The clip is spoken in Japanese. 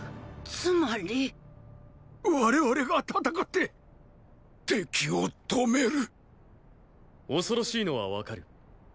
つまり我々が戦って敵を止める恐ろしいのは分かる。